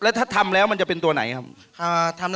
แล้วถ้าทำแล้วมันจะเป็นตัวไหนครับ